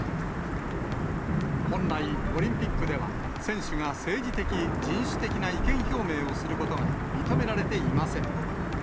本来、オリンピックでは、選手が政治的、人種的な意見表明をすることが認められていません。